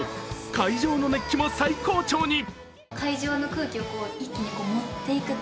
会場の熱気も最高潮に。